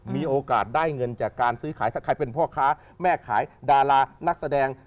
มีโอกาสได้เงินจากการซื้อขายถ้าใครเป็นพ่อค้าแม่ขายดารานักแสดง